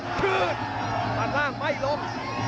จัดตรงไม่รบ